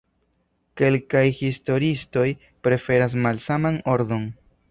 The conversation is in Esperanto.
Kelkaj historiistoj preferas malsaman ordon.